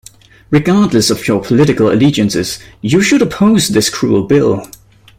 Regardless of your political allegiances, you should oppose this cruel bill.